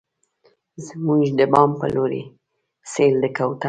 زموږ د بام په لورې، سیل د کوترو